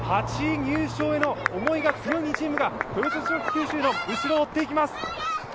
８位入賞への思いが強い２チームがトヨタ自動車九州の後ろを追っていきます。